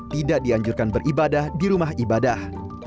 tidak dianjurkan beribadah di rumah ibadah